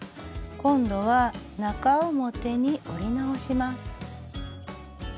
今度は中表に折り直します。